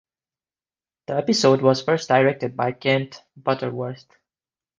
The episode was first directed by Kent Butterworth.